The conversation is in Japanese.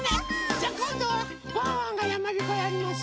じゃこんどはワンワンがやまびこやります。